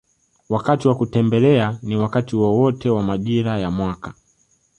Wakati wa kutembelea ni wakati wowote wa majira ya mwaka